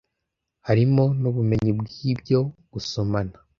harimo nubumenyi bwibyo Gusomana